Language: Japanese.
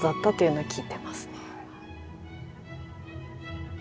はい。